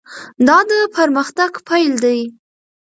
دا د پرمختګ پیل دی.